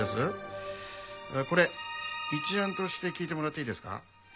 これ一案として聞いてもらっていいですか？